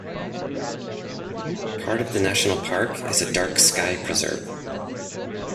Part of the national park is a dark sky preserve.